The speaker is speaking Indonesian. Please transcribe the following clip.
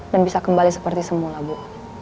dan bisa kembali seperti semula bu